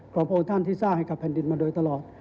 พระองค์ท่านที่สร้างให้กับแผ่นดินมาโดยตลอด